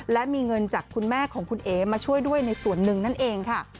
และมีเงินจากคุณแม่ของคุณเอ๋มาช่วยด้วยในส่วนหนึ่งนั่นเองค่ะ